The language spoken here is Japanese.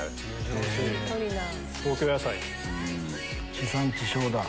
地産地消だ。